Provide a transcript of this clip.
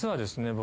僕。